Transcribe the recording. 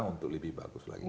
untuk lebih bagus lagi